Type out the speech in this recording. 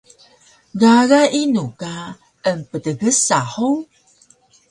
Gaga inu ka emptgsa hug?